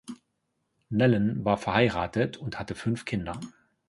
Nellen war verheiratet und hatte fünf Kinder.